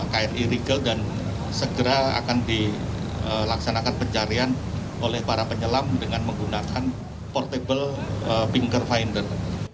kri rigel dan segera akan dilaksanakan pencarian oleh para penyelam dengan menggunakan portable pinker finder